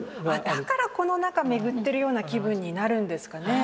だからこの中巡ってるような気分になるんですかね。